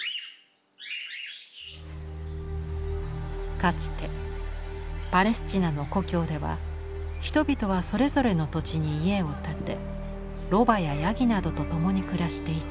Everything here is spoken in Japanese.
かつてパレスチナの故郷では人々はそれぞれの土地に家を建てロバやヤギなどと共に暮らしていた。